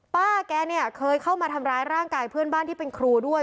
ป้าแกเนี่ยเคยเข้ามาทำร้ายร่างกายเพื่อนบ้านที่เป็นครูด้วย